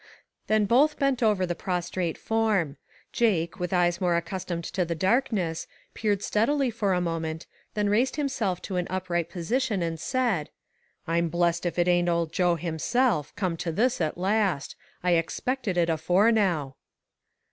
Then both bent over the prostrate form. Jake, with eyes more accustomed to the darkness, peered steadily for a moment, then raised himself to an upright position and said : 41 I'm blessed if it ain't old Joe himself, come to this at last! I expected it afore now."